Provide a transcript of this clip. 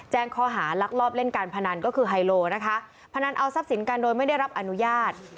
แจ้งข้อหารักลอบเล่นการพนันก็คือไฮโลนะคะพนันเอาทรัพย์สินกันโดยไม่ได้รับอนุญาต